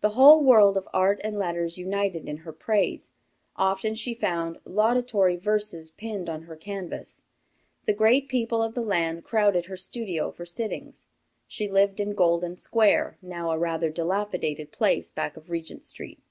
The whole world of art and letters united in her praise. Often she found laudatory verses pinned on her canvas. The great people of the land crowded her studio for sittings. She lived in Golden Square, now a rather dilapidated place back of Regent Street.